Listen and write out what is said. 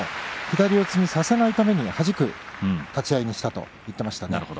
左四つにさせないためにはじく立ち合いにしたと言っていました。